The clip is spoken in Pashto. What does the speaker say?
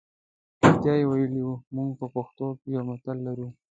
رښتیا یې ویلي وو موږ په پښتو کې یو متل لرو.